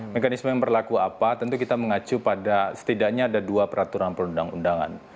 mekanisme yang berlaku apa tentu kita mengacu pada setidaknya ada dua peraturan perundang undangan